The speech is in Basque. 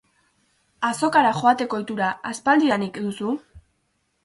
Azokara joateko ohitura aspaldidanik duzu?